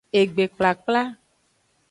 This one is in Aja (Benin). Egbekplakpla.